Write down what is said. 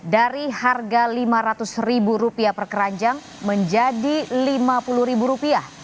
dari harga rp lima ratus per keranjang menjadi rp lima puluh